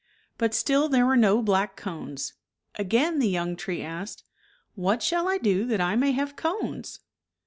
But still there were no black cones. Again the young tree asked, " What shall I do that I may have cones